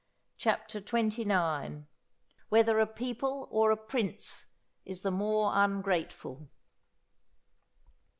CHAPTER XXIX.—_Whether a People or a Prince is the more ungrateful.